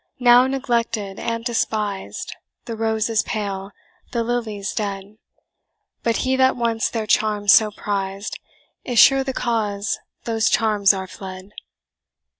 now neglected and despised, The rose is pale, the lily's dead; But he that once their charms so prized, Is sure the cause those charms are fled.